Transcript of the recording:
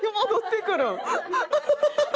ハハハハ！